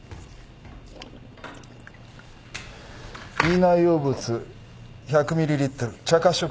胃内容物１００ミリリットル茶褐色液。